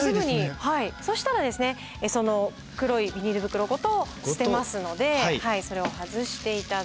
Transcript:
そしたらその黒いビニール袋ごと捨てますのでそれを外して頂いて。